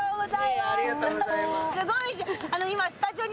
すごいじゃん今。